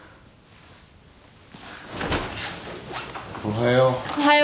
おはよう。